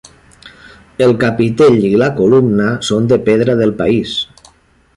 El capitell i la columna són de pedra del país.